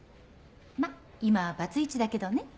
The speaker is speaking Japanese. まぁ今はバツイチだけどね。